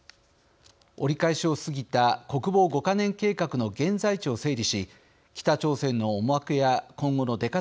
折り返しを過ぎた国防５か年計画の現在地を整理し北朝鮮の思惑や今後の出方について考えてみます。